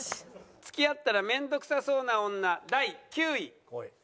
付き合ったら面倒くさそうな女第９位。